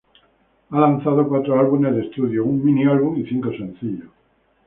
Ha lanzado cuatro álbumes de estudio, un mini álbum y cinco sencillos.